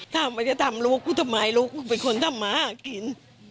ถ้ามันจะทำลูกกูทำไมลูกกูเป็นคนทำมาหากิน